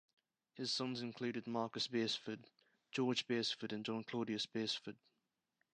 His sons included Marcus Beresford, George Beresford and John Claudius Beresford.